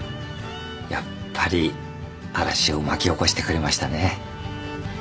やっぱり嵐を巻き起こしてくれましたね。